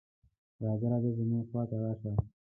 "راځه راځه زموږ خواته راشه".